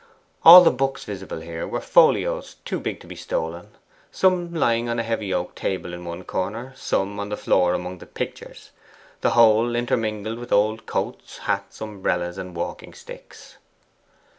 All the books visible here were folios too big to be stolen some lying on a heavy oak table in one corner, some on the floor among the pictures, the whole intermingled with old coats, hats, umbrellas, and walking sticks.